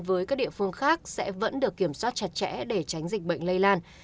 với các địa phương khác sẽ vẫn được kiểm soát chặt chẽ để tránh dịch bệnh lây lan